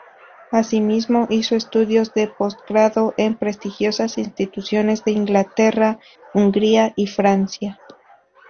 Así mismo, hizo estudios de postgrado en prestigiosas instituciones de Inglaterra, Hungría y Francia.